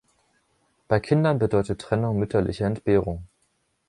Bei Kindern bedeutet Trennung mütterliche Entbehrung.